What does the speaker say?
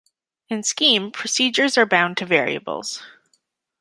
In Scheme, procedures are bound to variables.